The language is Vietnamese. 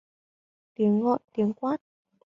Tiếng Gọi tiếng quát